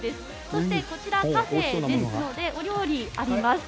そして、こちらカフェですのでお料理あります。